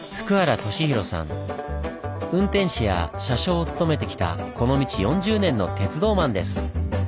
運転士や車掌を務めてきたこの道４０年の鉄道マンです。